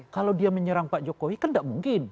kalau dia menyerang pak jokowi kan tidak mungkin